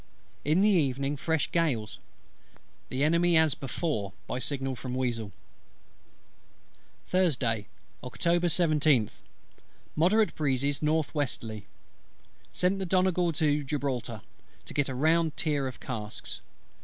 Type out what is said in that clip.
In the evening fresh gales. The Enemy as before, by signal from Weazle. Thursday, Oct. 17th. Moderate breezes north westerly. Sent the Donegal to Gibraltar, to get a ground tier of casks.